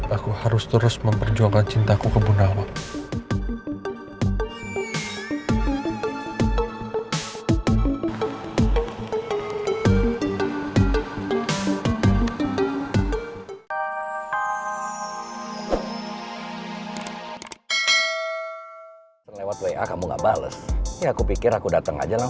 aku harus terus memperjuangkan cintaku ke bunda awang